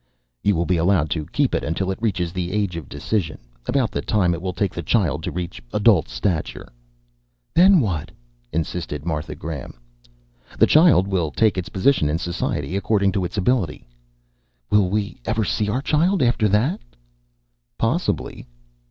"You will be allowed to keep it until it reaches the age of decision about the time it will take the child to reach adult stature." "Then what?" insisted Martha Graham. "The child will take its position in society according to its ability." "Will we ever see our child after that?" "Possibly."